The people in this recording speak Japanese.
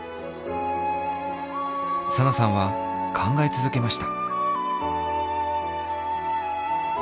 サナさんは考えつづけました。